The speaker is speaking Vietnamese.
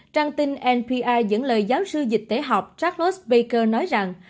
trang tin npr dẫn lời giáo sư dịch tế học charles baker nói rằng